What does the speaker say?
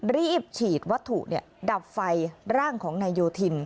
รีบฉีดวัตถุดับไฟร่างของนายโยธิน